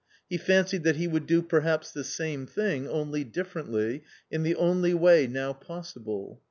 He fancied that he would do per haps the same thing, only differently, in the only way now possible.